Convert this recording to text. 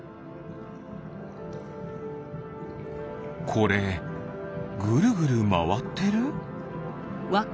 これぐるぐるまわってる？